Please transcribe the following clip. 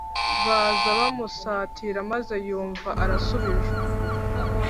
baza bamusatira maze yumva arasubijwe.